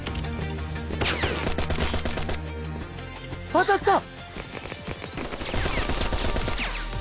当たった！